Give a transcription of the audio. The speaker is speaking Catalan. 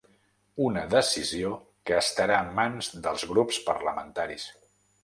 Una decisió que estarà en mans dels grups parlamentaris.